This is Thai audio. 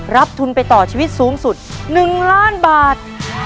รับทุนไปต่อชีวิตสูงสุด๑ล้านบาท